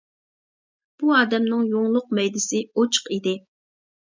بۇ ئادەمنىڭ يۇڭلۇق مەيدىسى ئوچۇق ئىدى.